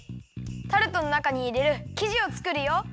タルトのなかにいれるきじをつくるよ！